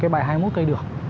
bài hai mươi một cây được